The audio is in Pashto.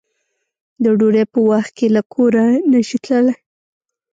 د ډوډۍ په وخت کې له کوره نشې تللی